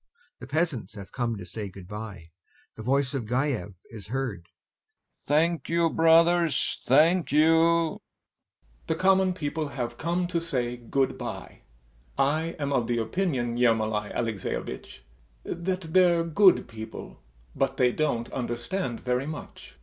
The peasants have come to say good bye. The voice of GAEV is heard: "Thank you, brothers, thank you."] YASHA. The common people have come to say good bye. I am of the opinion, Ermolai Alexeyevitch, that they're good people, but they don't understand very much.